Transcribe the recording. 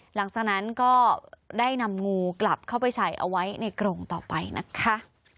หลังจากนั้นก็ได้นำงูกลับเข้าไปใส่เอาไว้ในกรงต่อไปนะคะ